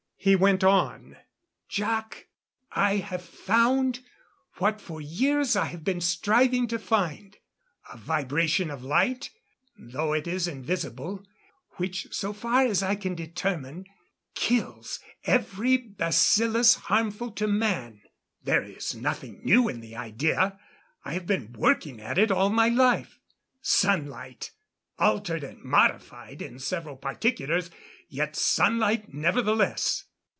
He went on: "Jac, I have found what for years I have been striving to find a vibration of light, though it is invisible which so far as I can determine, kills every bacillus harmful to man. There is nothing new in the idea I have been working at it all my life. Sunlight! Altered and modified in several particulars, yet sunlight nevertheless.